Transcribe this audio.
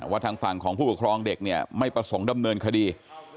ทางฝั่งของผู้ปกครองเด็กเนี่ยไม่ประสงค์ดำเนินคดี